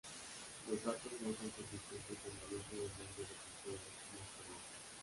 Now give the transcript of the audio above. Los datos no son consistentes en el uso de nombres de culturas no-Pueblo.